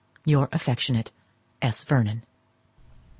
Your affectionate S. VERNON.